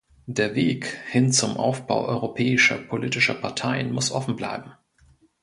Der Weg hin zum Aufbau europäischer politischer Parteien muss offenbleiben.